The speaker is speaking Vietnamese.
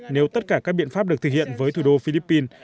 nếu tất cả các biện pháp được thực hiện với thủ đô philippines